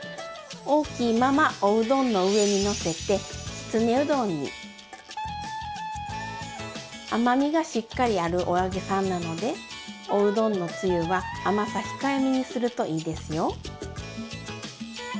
大きいままおうどんの上にのせて甘みがしっかりあるお揚げさんなのでおうどんのつゆは甘さ控えめにするといいですよ。